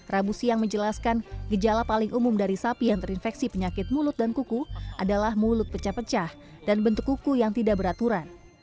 rabu siang menjelaskan gejala paling umum dari sapi yang terinfeksi penyakit mulut dan kuku adalah mulut pecah pecah dan bentuk kuku yang tidak beraturan